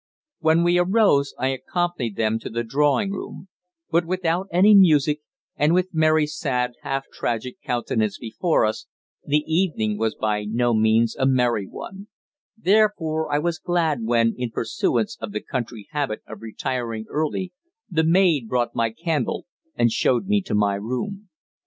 When we arose I accompanied them to the drawing room; but without any music, and with Mary's sad, half tragic countenance before us, the evening was by no means a merry one; therefore I was glad when, in pursuance of the country habit of retiring early, the maid brought my candle and showed me to my room.